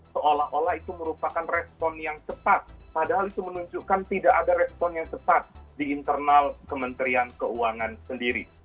seolah olah itu merupakan respon yang cepat padahal itu menunjukkan tidak ada respon yang cepat di internal kementerian keuangan sendiri